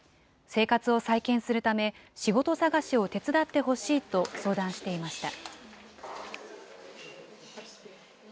生活を再建するため、仕事探しを手伝ってほしいと、相談していました。